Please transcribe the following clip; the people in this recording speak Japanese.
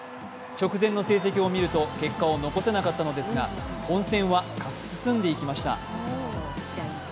直前の成績を見ると結果を残せなかったのですが本戦は勝ち進んでいきました。